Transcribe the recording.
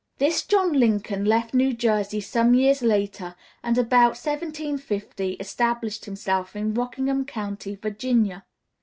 This John Lincoln left New Jersey some years later, and about 1750 established himself in Rockingham County, Virginia.